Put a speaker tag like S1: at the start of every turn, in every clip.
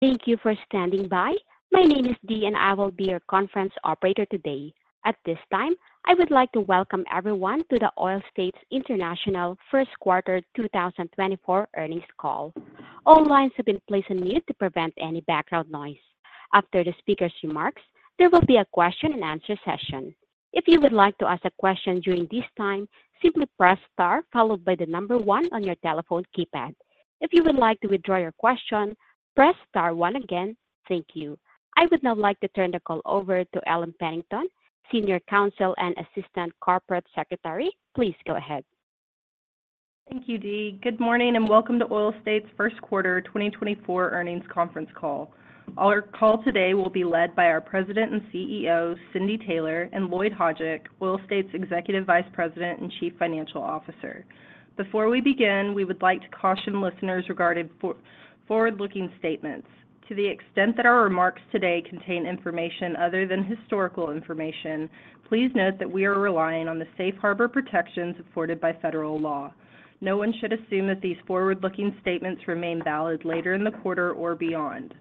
S1: Thank you for standing by. My name is Dee, and I will be your conference operator today. At this time, I would like to welcome everyone to the Oil States International First Quarter 2024 Earnings Call. All lines have been placed on mute to prevent any background noise. After the speaker's remarks, there will be a question-and-answer session. If you would like to ask a question during this time, simply press Star, followed by the number one on your telephone keypad. If you would like to withdraw your question, press Star one again. Thank you. I would now like to turn the call over to Ellen Pennington, Senior Counsel and Assistant Corporate Secretary. Please go ahead.
S2: Thank you, Dee. Good morning, and welcome to Oil States First Quarter 2024 Earnings Conference Call. Our call today will be led by our President and CEO, Cindy Taylor, and Lloyd Hajdik, Oil States Executive Vice President and Chief Financial Officer. Before we begin, we would like to caution listeners regarding forward-looking statements. To the extent that our remarks today contain information other than historical information, please note that we are relying on the safe harbor protections afforded by federal law. No one should assume that these forward-looking statements remain valid later in the quarter or beyond.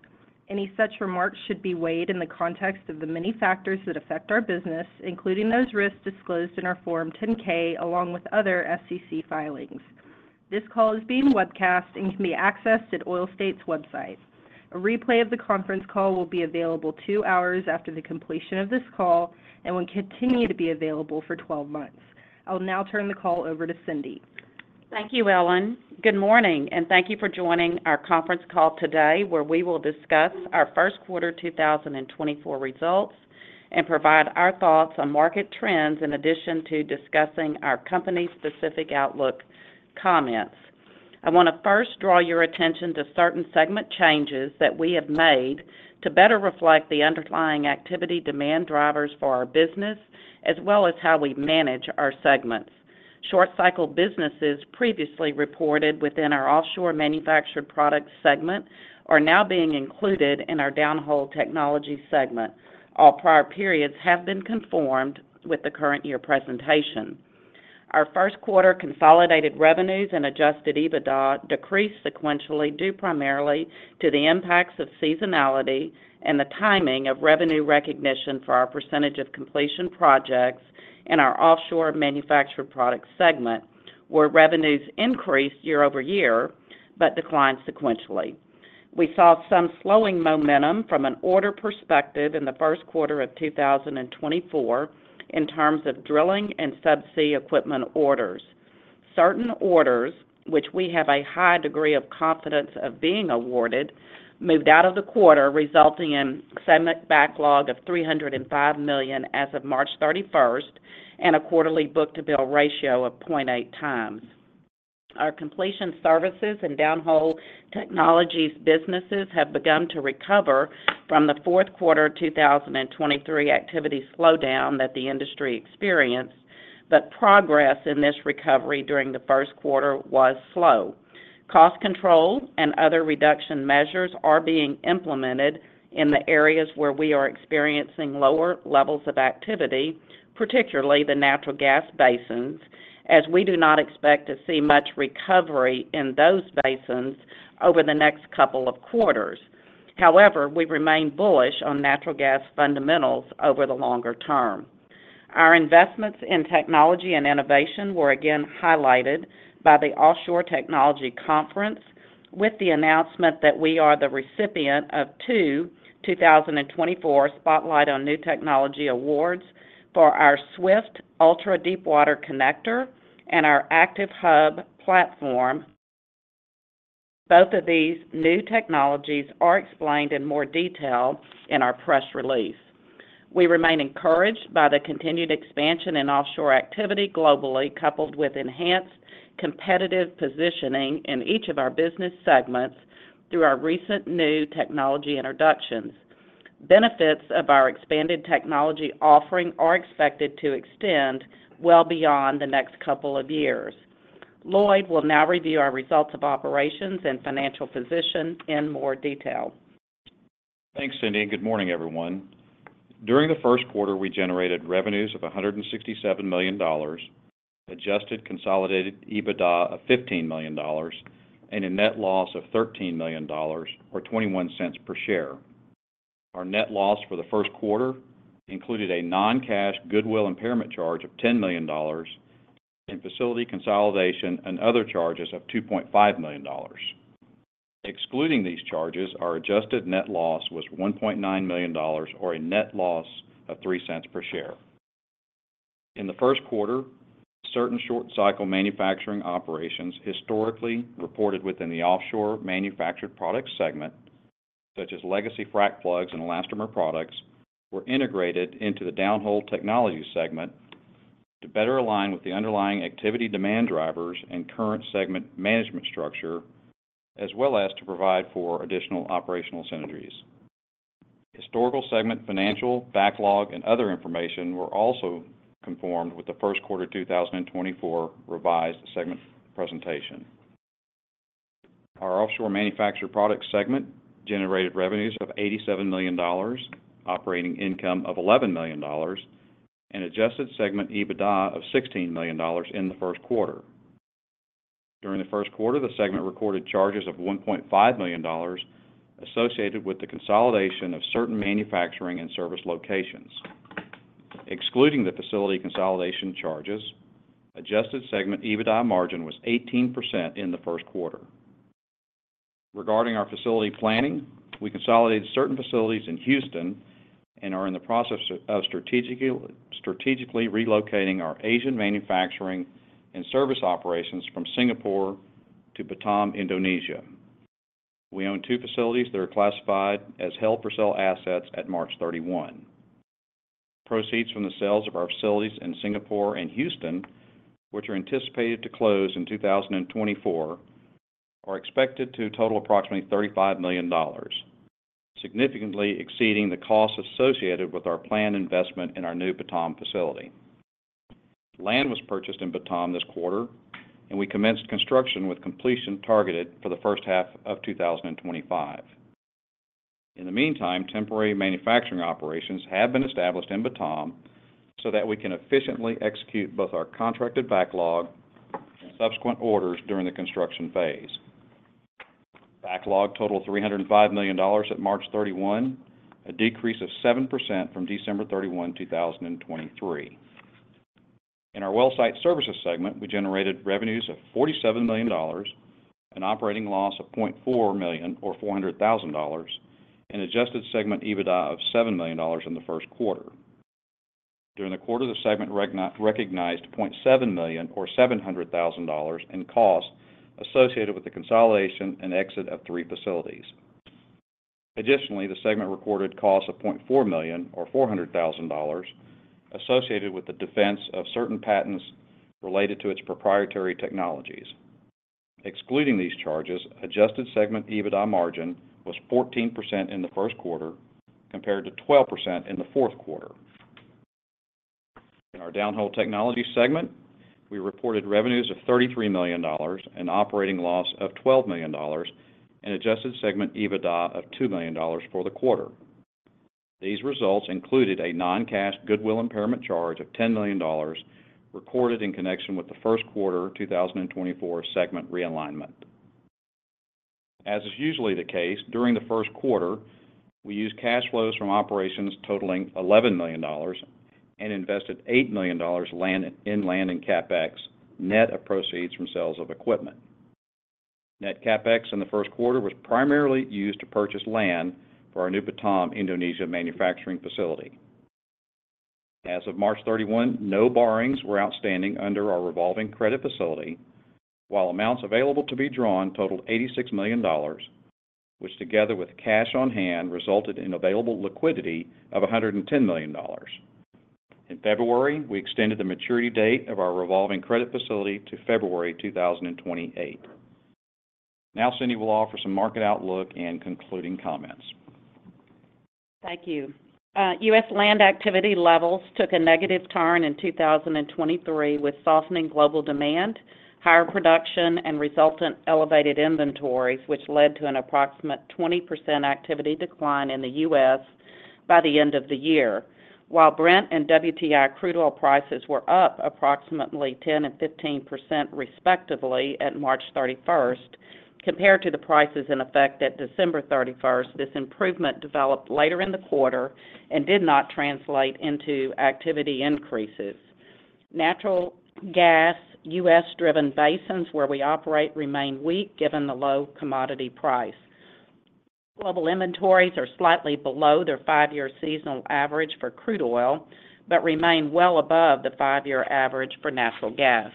S2: Any such remarks should be weighed in the context of the many factors that affect our business, including those risks disclosed in our Form 10-K, along with other SEC filings. This call is being webcast and can be accessed at Oil States website. A replay of the conference call will be available 2 hours after the completion of this call and will continue to be available for 12 months. I'll now turn the call over to Cindy.
S3: Thank you, Ellen. Good morning, and thank you for joining our conference call today, where we will discuss our first quarter 2024 results and provide our thoughts on market trends, in addition to discussing our company's specific outlook comments. I want to first draw your attention to certain segment changes that we have made to better reflect the underlying activity demand drivers for our business, as well as how we manage our segments. Short-cycle businesses previously reported within our Offshore Manufactured Products segment are now being included in our Downhole Technologies segment. All prior periods have been conformed with the current year presentation. Our first quarter consolidated revenues and adjusted EBITDA decreased sequentially, due primarily to the impacts of seasonality and the timing of revenue recognition for our percentage-of-completion projects in our Offshore Manufactured Products segment, where revenues increased year-over-year, but declined sequentially. We saw some slowing momentum from an order perspective in the first quarter of 2024 in terms of drilling and subsea equipment orders. Certain orders, which we have a high degree of confidence of being awarded, moved out of the quarter, resulting in segment backlog of $305 million as of March 31, and a quarterly book-to-bill ratio of 0.8 times. Our completion services and Downhole Technologies businesses have begun to recover from the fourth quarter of 2023 activity slowdown that the industry experienced, but progress in this recovery during the first quarter was slow. Cost control and other reduction measures are being implemented in the areas where we are experiencing lower levels of activity, particularly the natural gas basins, as we do not expect to see much recovery in those basins over the next couple of quarters. However, we remain bullish on natural gas fundamentals over the longer term. Our investments in technology and innovation were again highlighted by the Offshore Technology Conference with the announcement that we are the recipient of two 2024 Spotlight on New Technology awards for our SSwift Ultra-Deepwater Connector and our Active Hub platform. Both of these new technologies are explained in more detail in our press release. We remain encouraged by the continued expansion in offshore activity globally, coupled with enhanced competitive positioning in each of our business segments through our recent new technology introductions. Benefits of our expanded technology offering are expected to extend well beyond the next couple of years. Lloyd will now review our results of operations and financial position in more detail.
S4: Thanks, Cindy, and good morning, everyone. During the first quarter, we generated revenues of $167 million, adjusted consolidated EBITDA of $15 million, and a net loss of $13 million, or 21 cents per share. Our net loss for the first quarter included a non-cash goodwill impairment charge of $10 million in facility consolidation and other charges of $2.5 million. Excluding these charges, our adjusted net loss was $1.9 million or a net loss of 3 cents per share. In the first quarter, certain short cycle manufacturing operations historically reported within the Offshore Manufactured Products segment, such as legacy frac plugs and elastomer products, were integrated into the Downhole Technologies segment to better align with the underlying activity demand drivers and current segment management structure, as well as to provide for additional operational synergies. Historical segment, financial, backlog, and other information were also conformed with the first quarter 2024 revised segment presentation. Our Offshore Manufactured Products segment generated revenues of $87 million, operating income of $11 million, and adjusted segment EBITDA of $16 million in the first quarter. During the first quarter, the segment recorded charges of $1.5 million, associated with the consolidation of certain manufacturing and service locations. Excluding the facility consolidation charges, adjusted segment EBITDA margin was 18% in the first quarter. Regarding our facility planning, we consolidated certain facilities in Houston and are in the process of strategically relocating our Asian manufacturing and service operations from Singapore to Batam, Indonesia. We own two facilities that are classified as held-for-sale assets at March 31. Proceeds from the sales of our facilities in Singapore and Houston, which are anticipated to close in 2024, are expected to total approximately $35 million, significantly exceeding the costs associated with our planned investment in our new Batam facility. Land was purchased in Batam this quarter, and we commenced construction, with completion targeted for the first half of 2025. In the meantime, temporary manufacturing operations have been established in Batam so that we can efficiently execute both our contracted backlog and subsequent orders during the construction phase. Backlog totaled $305 million at March 31, a decrease of 7% from December 31, 2023. In our Wellsite Services segment, we generated revenues of $47 million, an operating loss of $0.4 million, or $400,000, and adjusted segment EBITDA of $7 million in the first quarter. During the quarter, the segment recognized $0.7 million, or $700,000, in costs associated with the consolidation and exit of three facilities. Additionally, the segment recorded costs of $0.4 million, or $400,000, associated with the defense of certain patents related to its proprietary technologies. Excluding these charges, adjusted segment EBITDA margin was 14% in the first quarter, compared to 12% in the fourth quarter. In our Downhole Technologies segment, we reported revenues of $33 million, an operating loss of $12 million, and adjusted segment EBITDA of $2 million for the quarter. These results included a non-cash goodwill impairment charge of $10 million, recorded in connection with the first quarter 2024 segment realignment. As is usually the case, during the first quarter, we used cash flows from operations totaling $11 million and invested $8 million in land and CapEx, net of proceeds from sales of equipment. Net CapEx in the first quarter was primarily used to purchase land for our new Batam, Indonesia, manufacturing facility. As of March 31, no borrowings were outstanding under our revolving credit facility, while amounts available to be drawn totaled $86 million, which, together with cash on hand, resulted in available liquidity of $110 million. In February, we extended the maturity date of our revolving credit facility to February 2028. Now, Cindy will offer some market outlook and concluding comments.
S3: Thank you. U.S. land activity levels took a negative turn in 2023, with softening global demand, higher production, and resultant elevated inventories, which led to an approximate 20% activity decline in the U.S. by the end of the year. While Brent and WTI crude oil prices were up approximately 10% and 15%, respectively, at March 31st, compared to the prices in effect at December 31st, this improvement developed later in the quarter and did not translate into activity increases. Natural gas, U.S.-driven basins where we operate, remain weak, given the low commodity price. Global inventories are slightly below their 5-year seasonal average for crude oil, but remain well above the 5-year average for natural gas.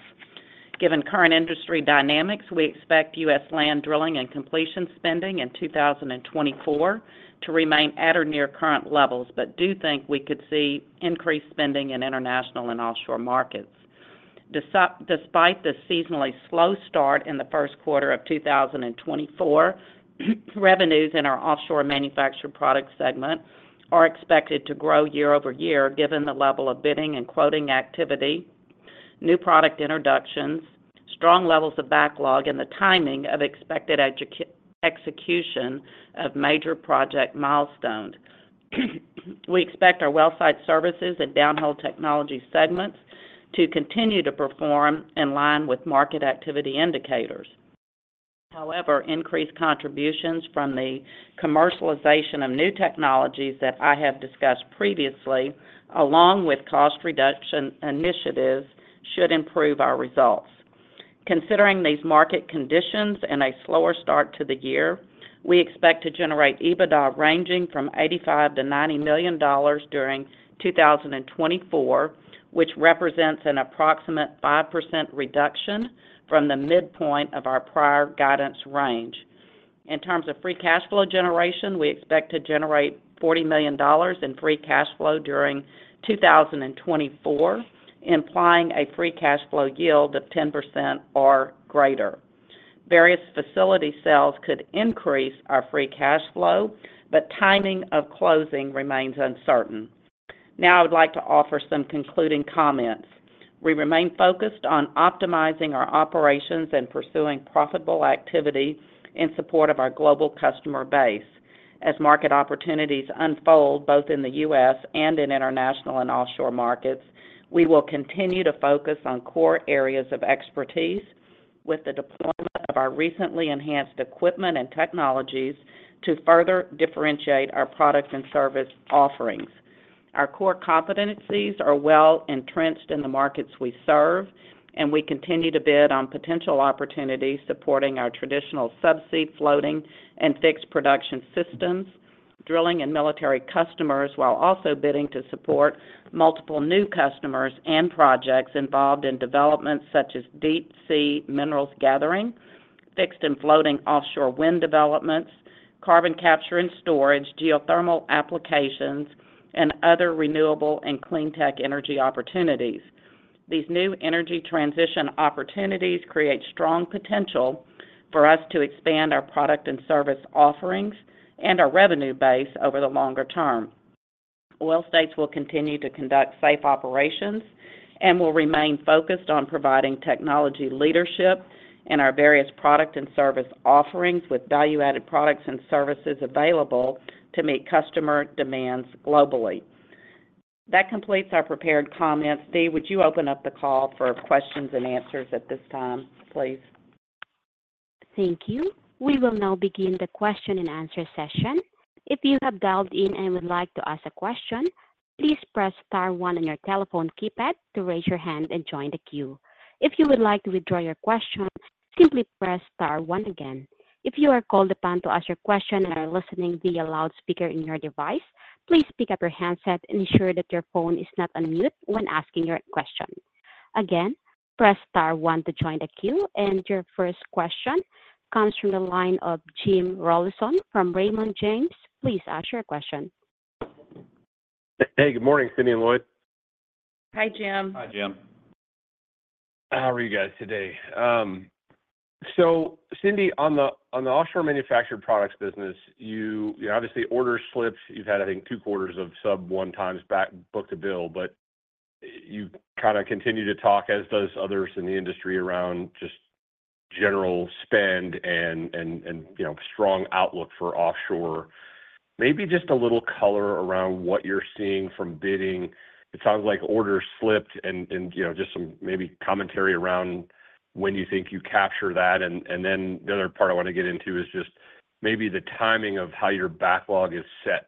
S3: Given current industry dynamics, we expect U.S. land drilling and completion spending in 2024 to remain at or near current levels, but do think we could see increased spending in international and offshore markets. Despite the seasonally slow start in the first quarter of 2024, revenues in our Offshore Manufactured Products segment are expected to grow year over year, given the level of bidding and quoting activity, new product introductions, strong levels of backlog, and the timing of expected execution of major project milestones. We expect our Wellsite Services and Downhole Technologies segments to continue to perform in line with market activity indicators. However, increased contributions from the commercialization of new technologies that I have discussed previously, along with cost reduction initiatives, should improve our results. Considering these market conditions and a slower start to the year, we expect to generate EBITDA ranging from $85 million-$90 million during 2024, which represents an approximate 5% reduction from the midpoint of our prior guidance range. In terms of free cash flow generation, we expect to generate $40 million in free cash flow during 2024, implying a free cash flow yield of 10% or greater. Various facility sales could increase our free cash flow, but timing of closing remains uncertain. Now, I would like to offer some concluding comments. We remain focused on optimizing our operations and pursuing profitable activity in support of our global customer base.... As market opportunities unfold both in the U.S. and in international and offshore markets, we will continue to focus on core areas of expertise, with the deployment of our recently enhanced equipment and technologies to further differentiate our products and service offerings. Our core competencies are well-entrenched in the markets we serve, and we continue to bid on potential opportunities supporting our traditional subsea floating and fixed production systems, drilling and military customers, while also bidding to support multiple new customers and projects involved in developments such as deep-sea minerals gathering, fixed and floating offshore wind developments, carbon capture and storage, geothermal applications, and other renewable and clean tech energy opportunities. These new energy transition opportunities create strong potential for us to expand our product and service offerings and our revenue base over the longer term. Oil States will continue to conduct safe operations and will remain focused on providing technology leadership in our various product and service offerings, with value-added products and services available to meet customer demands globally. That completes our prepared comments. Dee, would you open up the call for questions and answers at this time, please?
S1: Thank you. We will now begin the question-and-answer session. If you have dialed in and would like to ask a question, please press star one on your telephone keypad to raise your hand and join the queue. If you would like to withdraw your question, simply press star one again. If you are called upon to ask your question and are listening via loudspeaker in your device, please pick up your handset and ensure that your phone is not on mute when asking your question. Again, press star one to join the queue, and your first question comes from the line of Jim Rollyson from Raymond James. Please ask your question.
S5: Hey, good morning, Cindy and Lloyd.
S3: Hi, Jim.
S4: Hi, Jim.
S5: How are you guys today? So Cindy, on the Offshore Manufactured Products business, you obviously order slips. You've had, I think, two quarters of sub one times book-to-bill, but you kind of continue to talk, as does others in the industry, around just general spend and you know strong outlook for offshore. Maybe just a little color around what you're seeing from bidding. It sounds like order slipped and you know just some maybe commentary around when you think you capture that. And then the other part I want to get into is just maybe the timing of how your backlog is set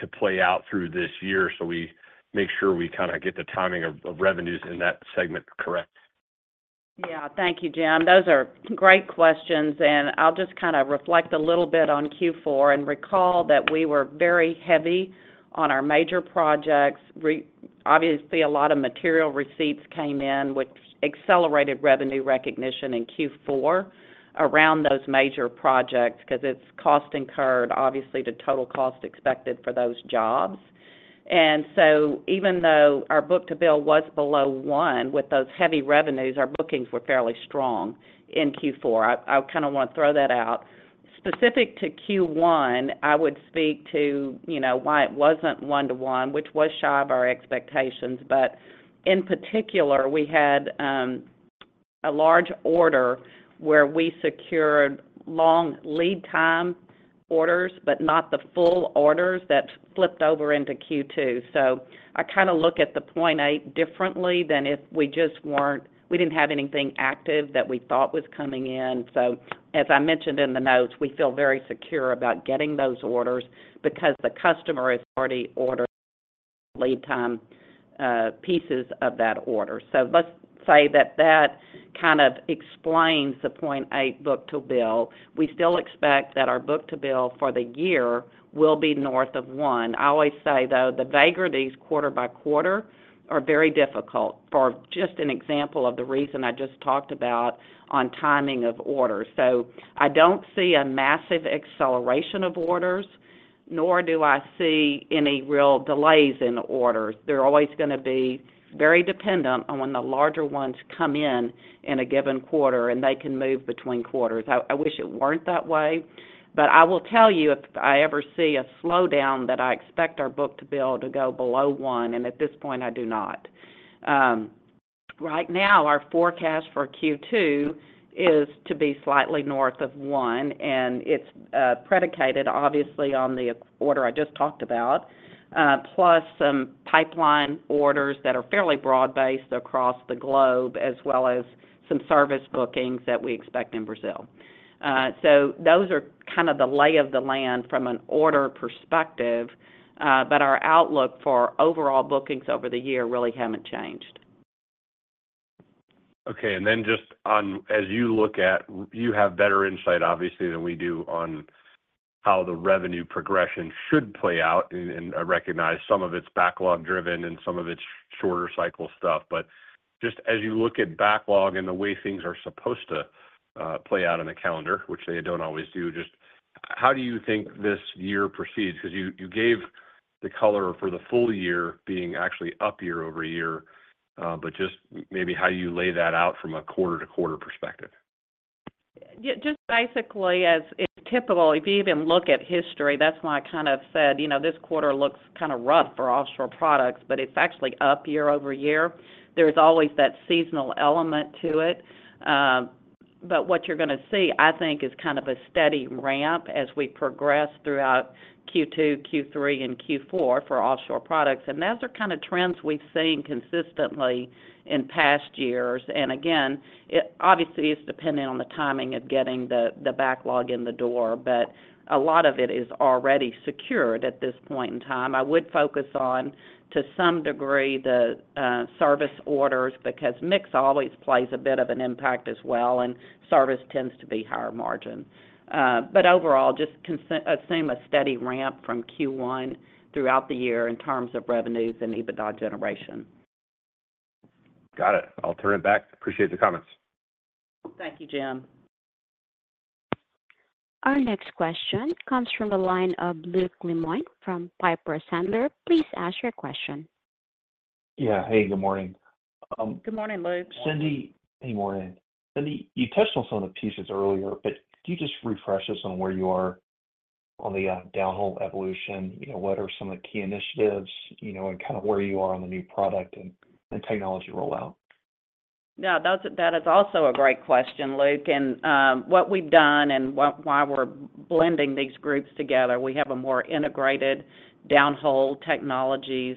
S5: to play out through this year, so we make sure we get the timing of revenues in that segment correct.
S3: Yeah. Thank you, Jim. Those are great questions, and I'll just kind of reflect a little bit on Q4 and recall that we were very heavy on our major projects. We, obviously, a lot of material receipts came in, which accelerated revenue recognition in Q4 around those major projects, 'cause it's cost incurred, obviously, the total cost expected for those jobs. And so even though our book-to-bill was below 1, with those heavy revenues, our bookings were fairly strong in Q4. I kind of want to throw that out. Specific to Q1, I would speak to, you know, why it wasn't 1-to-1, which was shy of our expectations. But in particular, we had a large order where we secured long lead time orders, but not the full orders that flipped over into Q2. So I kind of look at the 0.8 differently than if we just weren't, we didn't have anything active that we thought was coming in. So as I mentioned in the notes, we feel very secure about getting those orders because the customer has already ordered lead time pieces of that order. So let's say that that kind of explains the 0.8 book-to-bill. We still expect that our book-to-bill for the year will be north of 1. I always say, though, the vagaries quarter by quarter are very difficult for just an example of the reason I just talked about on timing of orders. So I don't see a massive acceleration of orders, nor do I see any real delays in the orders. They're always gonna be very dependent on when the larger ones come in in a given quarter, and they can move between quarters. I, I wish it weren't that way, but I will tell you, if I ever see a slowdown, that I expect our book-to-bill to go below 1, and at this point, I do not. Right now, our forecast for Q2 is to be slightly north of 1, and it's predicated, obviously, on the order I just talked about, plus some pipeline orders that are fairly broad-based across the globe, as well as some service bookings that we expect in Brazil. So those are kind of the lay of the land from an order perspective, but our outlook for overall bookings over the year really haven't changed.
S5: Okay. And then just on, as you look at, you have better insight, obviously, than we do on how the revenue progression should play out, and, and I recognize some of it's backlog driven and some of it's shorter cycle stuff. But just as you look at backlog and the way things are supposed to play out on a calendar, which they don't always do, just how do you think this year proceeds? Because you, you gave the color for the full year being actually up year over year, but just maybe how you lay that out from a quarter-to-quarter perspective.
S3: Yeah, just basically as is typical, if you even look at history, that's why I kind of said, you know, this quarter looks kind of rough for offshore products, but it's actually up year-over-year. There's always that seasonal element to it. But what you're gonna see, I think, is kind of a steady ramp as we progress throughout Q2, Q3, and Q4 for offshore products. And those are kind of trends we've seen consistently in past years. And again, it obviously is dependent on the timing of getting the, the backlog in the door, but a lot of it is already secured at this point in time. I would focus on, to some degree, the service orders, because mix always plays a bit of an impact as well, and service tends to be higher margin. But overall, just assume a steady ramp from Q1 throughout the year in terms of revenues and EBITDA generation.
S5: Got it. I'll turn it back. Appreciate your comments.
S3: Thank you, Jim.
S1: Our next question comes from the line of Luke Lemoine from Piper Sandler. Please ask your question.
S6: Yeah, hey, good morning.
S3: Good morning, Luke.
S6: Cindy, good morning. Cindy, you touched on some of the pieces earlier, but can you just refresh us on where you are on the downhole evolution? You know, what are some of the key initiatives, you know, and kind of where you are on the new product and technology rollout?
S3: Yeah, that is also a great question, Luke. And what we've done and why we're blending these groups together, we have a more integrated Downhole Technologies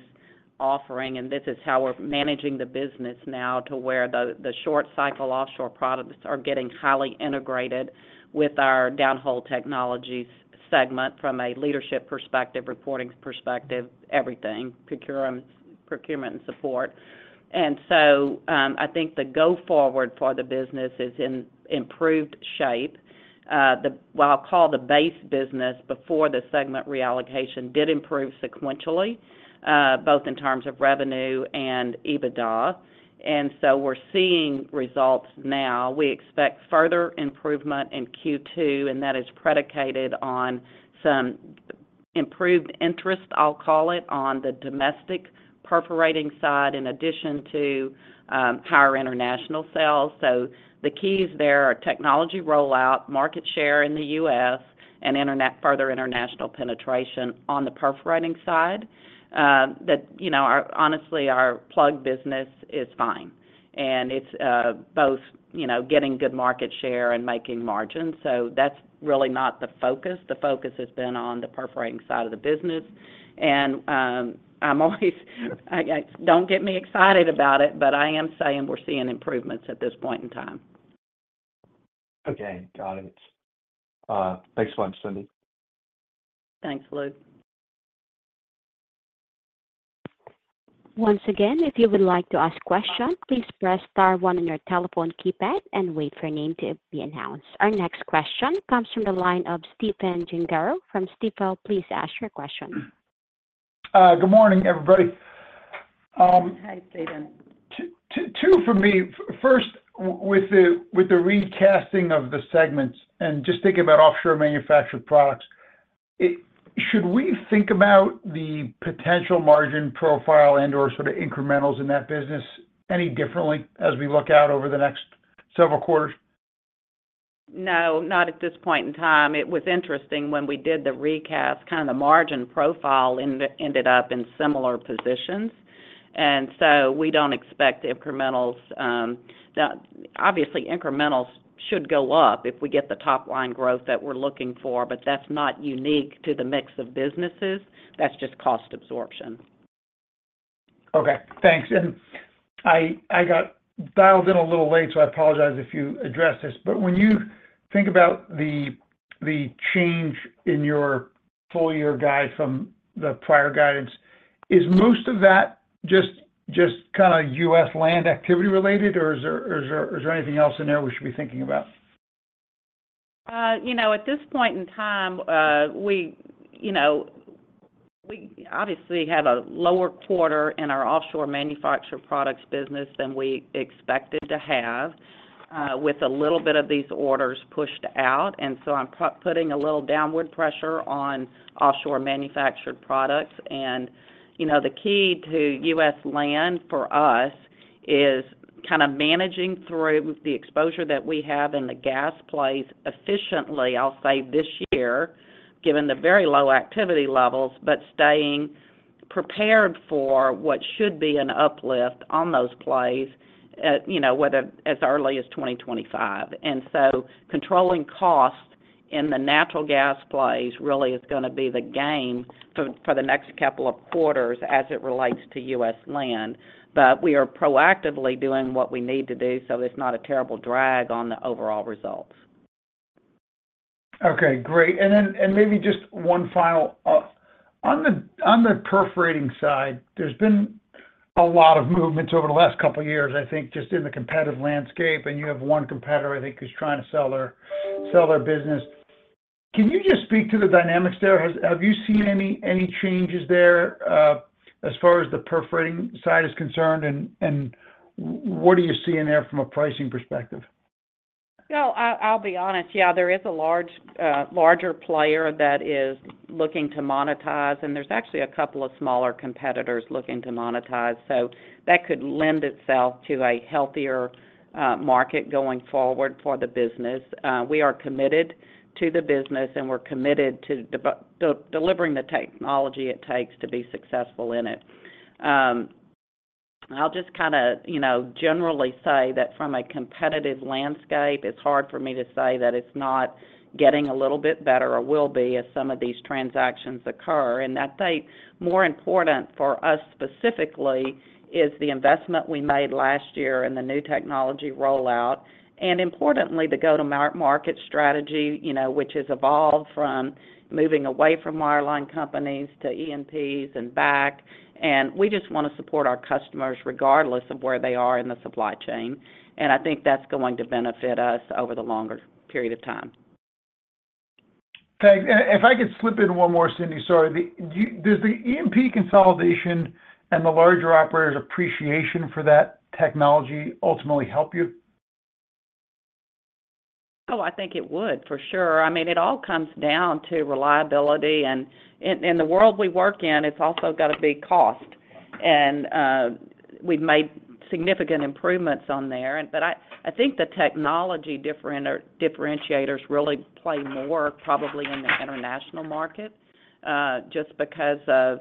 S3: offering, and this is how we're managing the business now to where the short cycle offshore products are getting highly integrated with our Downhole Technologies segment from a leadership perspective, reporting perspective, everything, procurement and support. And so I think the go forward for the business is in improved shape. What I'll call the base business before the segment reallocation did improve sequentially, both in terms of revenue and EBITDA. And so we're seeing results now. We expect further improvement in Q2, and that is predicated on some improved interest, I'll call it, on the domestic perforating side, in addition to higher international sales. So the keys there are technology rollout, market share in the U.S., and in turn further international penetration on the perforating side. That, you know, honestly, our plug business is fine, and it's both, you know, getting good market share and making margin, so that's really not the focus. The focus has been on the perforating side of the business. I'm always don't get me excited about it, but I am saying we're seeing improvements at this point in time.
S6: Okay, got it. Thanks so much, Cindy.
S3: Thanks, Luke.
S1: Once again, if you would like to ask a question, please press star one on your telephone keypad and wait for your name to be announced. Our next question comes from the line of Stephen Gengaro from Stifel. Please ask your question.
S7: Good morning, everybody.
S3: Hi, Stephen.
S7: Two for me. First, with the recasting of the segments and just thinking about Offshore Manufactured Products, should we think about the potential margin profile and/or sort of incrementals in that business any differently as we look out over the next several quarters?
S3: No, not at this point in time. It was interesting when we did the recast, kind of the margin profile ended up in similar positions, and so we don't expect incrementals. Obviously, incrementals should go up if we get the top line growth that we're looking for, but that's not unique to the mix of businesses. That's just cost absorption.
S7: Okay, thanks. I got dialed in a little late, so I apologize if you addressed this, but when you think about the change in your full-year guide from the prior guidance, is most of that just kinda U.S. land activity related, or is there anything else in there we should be thinking about?
S3: You know, at this point in time, we obviously had a lower quarter in our Offshore Manufactured Products business than we expected to have, with a little bit of these orders pushed out. And so I'm putting a little downward pressure on Offshore Manufactured Products. And, you know, the key to U.S. land for us is kind of managing through the exposure that we have in the gas plays efficiently, I'll say, this year, given the very low activity levels, but staying prepared for what should be an uplift on those plays, you know, whether as early as 2025. And so controlling costs in the natural gas plays really is gonna be the game for the next couple of quarters as it relates to U.S. land. But we are proactively doing what we need to do, so it's not a terrible drag on the overall results.
S7: Okay, great. And then, maybe just one final on the perforating side, there's been a lot of movements over the last couple of years, I think, just in the competitive landscape, and you have one competitor, I think, who's trying to sell their business. Can you just speak to the dynamics there? Have you seen any changes there as far as the perforating side is concerned? And what are you seeing there from a pricing perspective?
S3: Well, I'll be honest, yeah, there is a larger player that is looking to monetize, and there's actually a couple of smaller competitors looking to monetize, so that could lend itself to a healthier market going forward for the business. We are committed to the business, and we're committed to delivering the technology it takes to be successful in it. I'll just kind of, you know, generally say that from a competitive landscape, it's hard for me to say that it's not getting a little bit better or will be as some of these transactions occur. And I think more important for us specifically is the investment we made last year in the new technology rollout, and importantly, the go-to-market strategy, you know, which has evolved from moving away from wireline companies to E&Ps and back. We just want to support our customers regardless of where they are in the supply chain, and I think that's going to benefit us over the longer period of time.
S7: Thanks. And if I could slip in one more, Cindy, sorry. Do you—does the ENP consolidation and the larger operators' appreciation for that technology ultimately help you?
S3: Oh, I think it would, for sure. I mean, it all comes down to reliability, and in, in the world we work in, it's also got to be cost. And, we've made significant improvements on there. But I, I think the technology differentiators really play more probably in the international market, just because of,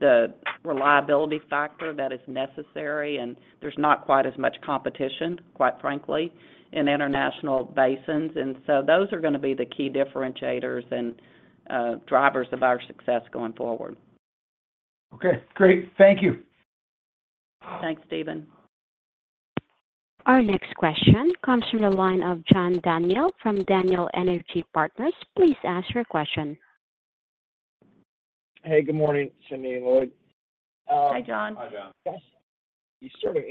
S3: the reliability factor that is necessary, and there's not quite as much competition, quite frankly, in international basins. And so those are gonna be the key differentiators and, drivers of our success going forward.
S7: Okay, great. Thank you.
S3: Thanks, Steven.
S1: Our next question comes from the line of John Daniel from Daniel Energy Partners. Please ask your question.
S8: Hey, good morning, Cindy and Lloyd.
S3: Hi, John.
S4: Hi, John.
S8: Yes. You sort of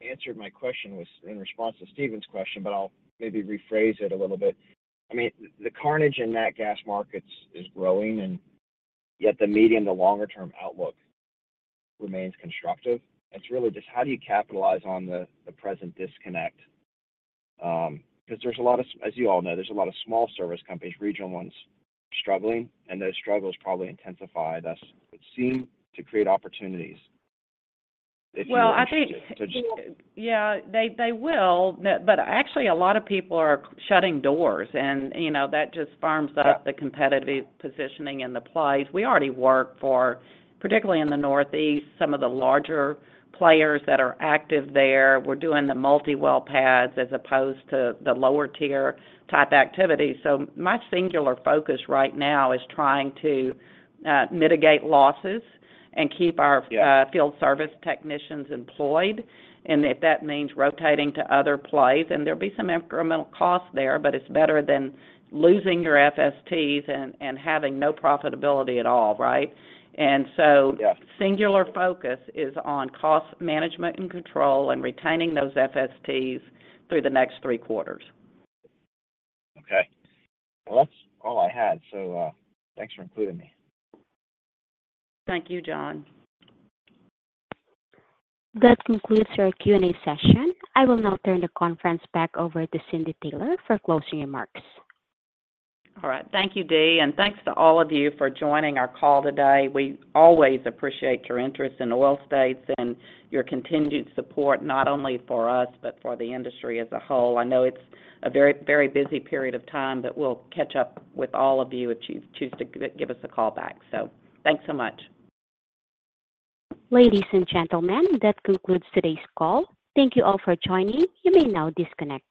S8: answered my question was in response to Stephen's question, but I'll maybe rephrase it a little bit. I mean, the carnage in that gas markets is growing, and yet the medium to longer term outlook remains constructive. It's really just how do you capitalize on the, the present disconnect? 'Cause there's a lot of... As you all know, there's a lot of small service companies, regional ones, struggling, and those struggles probably intensify, thus would seem to create opportunities if you-
S3: Well, I think-
S8: -to just-
S3: Yeah, they will, but actually a lot of people are shutting doors and, you know, that just firms up-
S8: Right
S3: The competitive positioning and the plays. We already work for, particularly in the Northeast, some of the larger players that are active there. We're doing the multi-well pads as opposed to the lower tier type activity. So my singular focus right now is trying to mitigate losses and keep our,
S8: Yeah...
S3: field service technicians employed. And if that means rotating to other plays, and there'll be some incremental costs there, but it's better than losing your FSTs and, and having no profitability at all, right? And so-
S8: Yeah...
S3: singular focus is on cost management and control and retaining those FSTs through the next three quarters.
S8: Okay. Well, that's all I had, so, thanks for including me.
S3: Thank you, John.
S1: That concludes our Q&A session. I will now turn the conference back over to Cindy Taylor for closing remarks.
S3: All right. Thank you, Dee, and thanks to all of you for joining our call today. We always appreciate your interest in Oil States and your continued support, not only for us, but for the industry as a whole. I know it's a very, very busy period of time, but we'll catch up with all of you if you choose to give us a call back. Thanks so much.
S1: Ladies and gentlemen, that concludes today's call. Thank you all for joining. You may now disconnect.